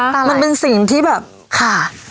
มันเป็นสิ่งที่แบบค่ะ